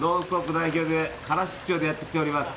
代表で空出張でやってきております。